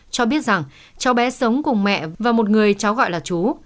cho biết rằng cháu bé sống cùng mẹ và một người cháu gọi là chú